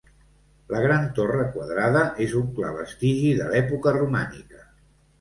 La gran torre quadrada és un clar vestigi de l'època romànica.